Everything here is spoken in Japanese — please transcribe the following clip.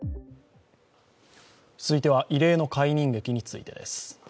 続いては異例の解任劇についてです。